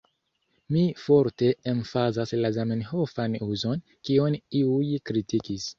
Mi forte emfazas la Zamenhofan uzon, kion iuj kritikis.